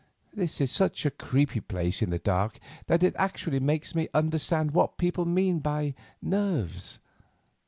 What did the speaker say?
This is such a creepy place in the dark that it actually makes me understand what people mean by nerves.